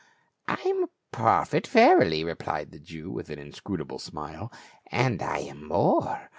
"I am a prophet, verily," replied the Jew with an inscrutable smile. " And I am more.